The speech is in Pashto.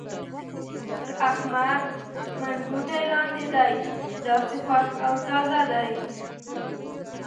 تر احمد منګوټی لاندې دی چې داسې خوښ او تازه دی.